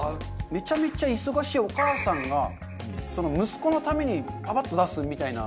めちゃめちゃ忙しいお母さんが息子のためにパパッと出すみたいなメニューとしては。